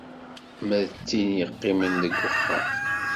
Ma d tin yeqqimen deg uxxam.